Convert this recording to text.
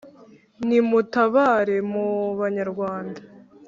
nimutabare mu banyarwanda